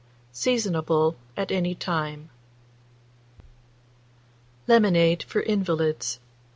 Seasonable at any time. LEMONADE FOR INVALIDS.